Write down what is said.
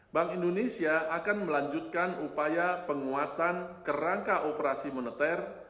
bank indonesia akan melanjutkan upaya penguatan kerangka operasi moneter